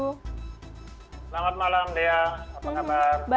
selamat malam dea apa kabar